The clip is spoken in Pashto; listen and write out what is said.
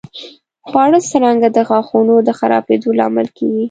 خواړه څرنګه د غاښونو د خرابېدو لامل کېږي؟